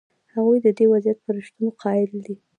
هغه د دې وضعیت پر شتون قایل دی.